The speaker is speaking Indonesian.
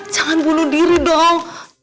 jangan bunuh diri dong